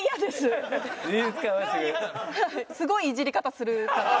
すごいイジり方するから。